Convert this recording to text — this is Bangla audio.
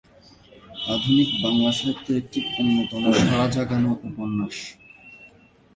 আধুনিক বাংলা সাহিত্যের একটি অন্যতম সাড়া জাগানো উপন্যাস।